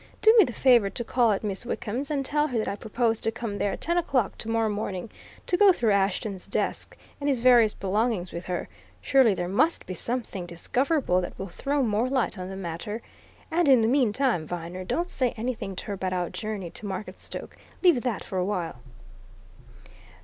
Do me the favour to call at Miss Wickham's, and tell her that I propose to come there at ten o'clock tomorrow morning, to go through Ashton's desk and his various belongings with her surely there must be something discoverable that will throw more light on the matter. And in the meantime, Viner, don't say anything to her about our journey to Marketstoke leave that for a while."